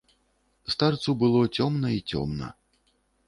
Старцу было цёмна і цёмна.